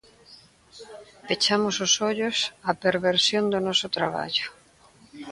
Pechamos os ollos á perversión do noso traballo.